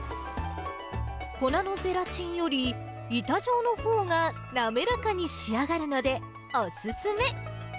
粉のゼラチンより、板状のほうが滑らかに仕上がるのでお勧め。